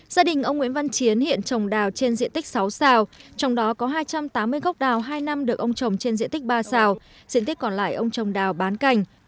gia đình ông nguyễn văn chiến hiện trồng đào trên diện tích sáu sao trong đó có hai trăm tám mươi gốc đào hai năm được ông trồng trên diện tích ba sao diện tích còn lại ông trồng đào bán cành